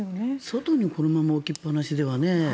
外にこのまま置きっぱなしではね。